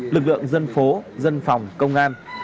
lực lượng dân phố dân phòng công an